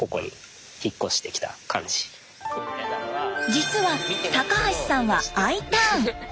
実は高橋さんはＩターン。